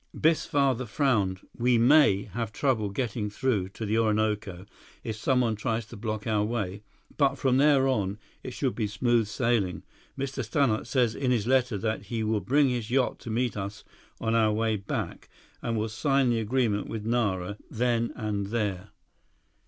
Biff's father frowned. "We may have trouble getting through to the Orinoco, if someone tries to block our way. But from there on, it should be smooth sailing. Mr. Stannart says in his letter that he will bring his yacht to meet us on our way back, and will sign the agreement with Nara, then and there."